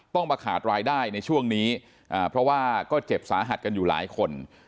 ต้องมาขาดรายได้ในช่วงนี้เพราะว่าก็เจ็บสาหัสกันอยู่หลายคน